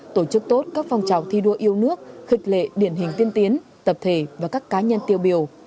tổ chức tốt các phong trào thi đua yêu nước điển hình tiên tiến tập thể và các cá nhân tiêu biểu